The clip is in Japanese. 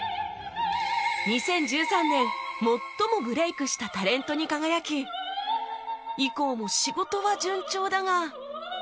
２０１３年最もブレイクしたタレントに輝き以降も仕事は順調だが